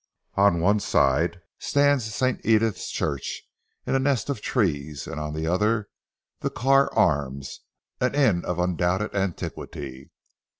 On one side stands St. Edith's church in a nest of trees; on the other 'The Carr Arms' an inn of undoubted antiquity.